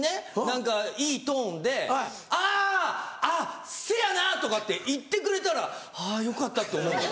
何かいいトーンで「あぁ！あっせやな！」とかって言ってくれたらあぁよかったと思う。